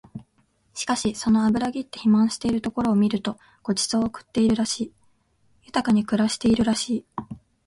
しかしその脂ぎって肥満しているところを見ると御馳走を食ってるらしい、豊かに暮らしているらしい